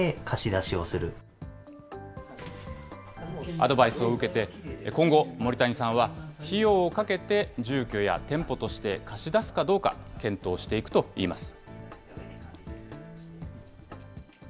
アドバイスを受けて、今後、森谷さんは費用をかけて、住居や店舗として貸し出すかどうか検討していくといいます。